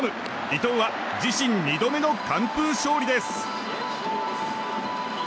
伊藤は自身２度目の完封勝利です。